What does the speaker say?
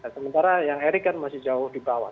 sementara yang erik kan masih jauh di bawah